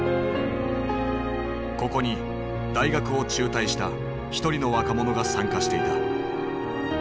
ここに大学を中退した一人の若者が参加していた。